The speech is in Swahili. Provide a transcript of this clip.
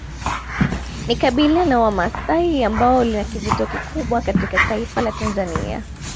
Ni kabila la wamasai ambao lina kivutio kikubwa katika taifa la Tanzania